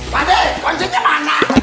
pak dek kuncinya mana